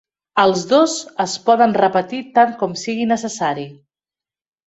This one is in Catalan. Els dos es poden repetir tant com sigui necessari.